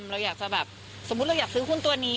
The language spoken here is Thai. เราอยากจะแบบสมมุติเราอยากซื้อหุ้นตัวนี้